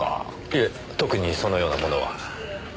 いえ特にそのようなものは。